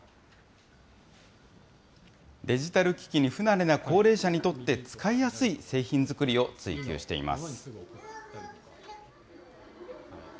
デジタル機器に不慣れな高齢者にとって、使いやすい製品作りを追求しています。